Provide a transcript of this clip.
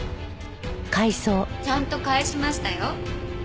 ちゃんと返しましたよ。